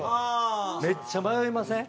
めっちゃ迷いません？